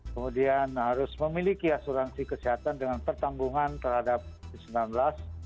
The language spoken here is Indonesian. kemudian harus memiliki asuransi kesehatan dengan pertanggungan terhadap covid sembilan belas